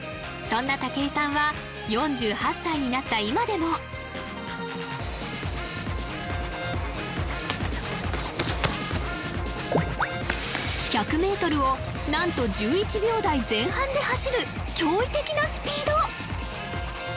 そんな武井さんは４８歳になった今でも１００メートルをなんと１１秒台前半で走る驚異的なスピード！